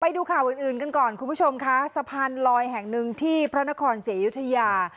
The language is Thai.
ไปดูข่าวอื่นอื่นกันก่อนคุณผู้ชมค่ะสะพานลอยแห่งหนึ่งที่พระนครศรีอยุธยา